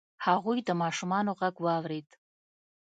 هغوی د ماشومانو غږ واورید.